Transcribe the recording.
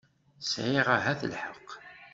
sɛiɣ ahat lḥeqq.